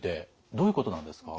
どういうことなんですか？